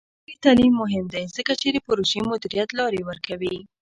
عصري تعلیم مهم دی ځکه چې د پروژې مدیریت لارې ورکوي.